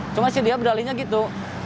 cuma sih dia beralihnya gitu